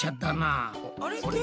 あれ？